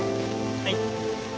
はい。